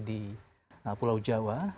di pulau jawa